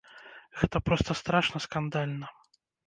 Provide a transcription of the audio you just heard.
Гэта проста страшна скандальна!